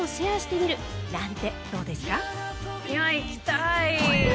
いや行きたい。